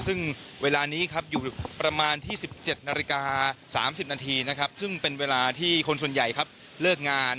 ซึ่งเวลานี้ครับอยู่ประมาณที่๑๗นาฬิกา๓๐นาทีนะครับซึ่งเป็นเวลาที่คนส่วนใหญ่ครับเลิกงาน